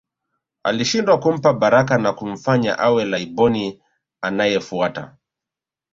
Alishindwa kumpa baraka na kumfanya awe Laiboni anayefuata